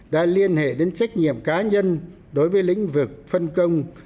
đã liên hệ đến trách nhiệm cá nhân đối với lĩnh vực phân công